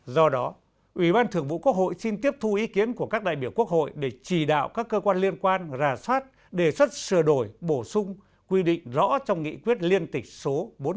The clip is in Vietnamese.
do đó ủy ban thường vụ quốc hội xin tiếp thu ý kiến của các đại biểu quốc hội để chỉ đạo các cơ quan liên quan rà soát đề xuất sửa đổi bổ sung quy định rõ trong nghị quyết liên tịch số bốn trăm linh